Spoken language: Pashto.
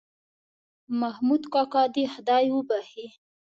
محمود کاکا دې خدای وبښې.